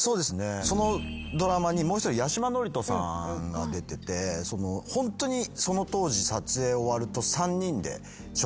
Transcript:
そのドラマにもう１人八嶋智人さんが出ててホントにその当時撮影終わると。